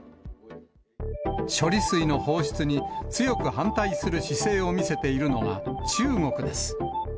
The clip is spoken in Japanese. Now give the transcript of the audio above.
処理水の放出に強く反対する姿勢を見せているのが中国です。